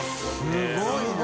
すごいな。